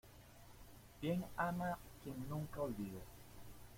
Bien ama quien nunca olvida.